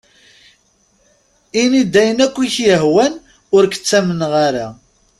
Ini-d ayen akk i ak-yehwan, ur k-ttamneɣ ara.